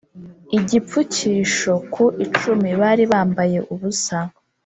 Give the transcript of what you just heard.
igipfukisho ku icumi bari bambaye ubusa.